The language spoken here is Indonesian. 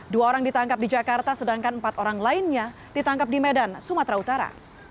dua orang ditangkap di jakarta sedangkan empat orang lainnya ditangkap di medan sumatera utara